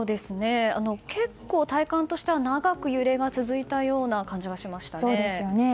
結構、体感としては長く揺れが続いた感じがしました。